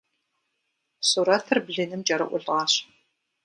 Сурэтыр блыным кӏэрыӏулӏащ.